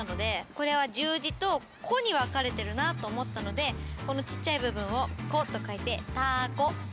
これは十字と「こ」に分かれてるなと思ったのでこのちっちゃい部分を「こ」と書いて「たこ」。